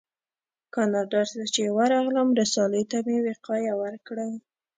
کاناډا ته چې راغلم رسالې ته مې وقایه ورکړه.